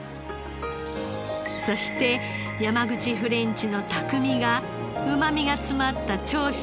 そして山口フレンチの匠がうまみが詰まった長州